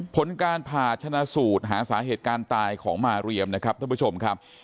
ผลการผ่าชนะสูตรหาสาเหตุการณ์ตายของมาเรียมนะครับท่านผู้ชมครับ